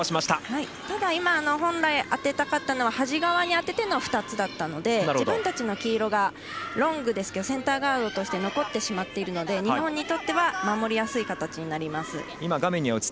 ただ、今本来当てたかったのは端側に当てての２つだったので自分たちの黄色がロングですがセンターガードとして残ってしまっているので日本にとっては守りやすい形になります。